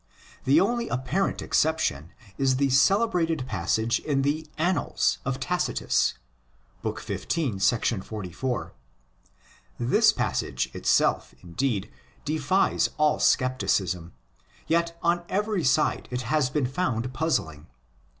The only apparent exception is the celebrated passage in the Annals of Tacitus (xv. 44). This passage itself, indeed, defies all scepticism ;1 yet on every side it has been found puzzling.